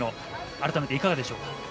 改めていかがでしょう。